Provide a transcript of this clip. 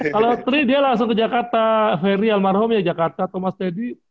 kalau teri dia langsung ke jakarta ferry almarhum ya jakarta thomas teddy